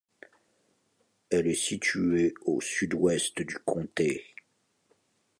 Elle est située au sud-ouest du comté.